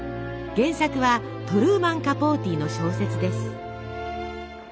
原作はトルーマン・カポーティの小説です。